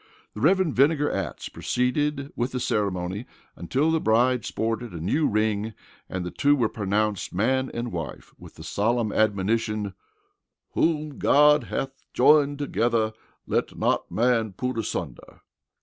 The Rev. Vinegar Atts proceeded with the ceremony until the bride sported a new ring and the two were pronounced man and wife with the solemn admonition: "Whom God hath joined together, let not man put asunder!"